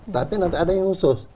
tapi nanti ada yang khusus